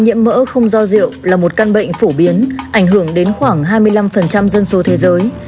nhiễm mỡ không do rượu là một căn bệnh phổ biến ảnh hưởng đến khoảng hai mươi năm dân số thế giới